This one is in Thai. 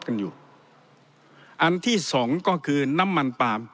กันอยู่อันที่สองก็คือน้ำมันปาล์ม